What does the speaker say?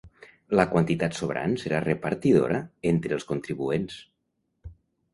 La quantitat sobrant serà repartidora entre els contribuents.